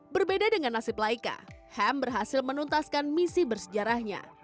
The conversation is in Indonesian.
berbeda dengan nasib laika ham berhasil menuntaskan misi bersejarahnya